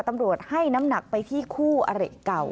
ตำรวจให้น้ำหนักไปที่คู่อริเก่า